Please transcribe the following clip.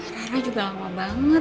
rara juga lama banget